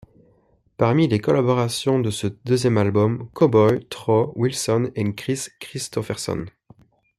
Parmi les collaboration de ce deuxième album, Cowboy Troy, Wilson, et Kris Kristofferson.